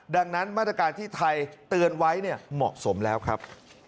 ดังนั้นมาตรการที่ไทยเตือนไว้เหมาะสมแล้วครับ